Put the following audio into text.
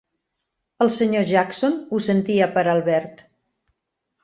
El senyor Jackson ho sentia per Albert.